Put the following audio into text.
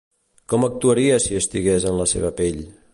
Com actuaria si estigués en la seva pell?